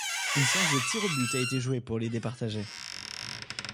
Une séance de tirs au buts a été jouée pour les départager.